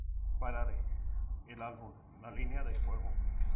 Parade", el álbum "La línea de fuego.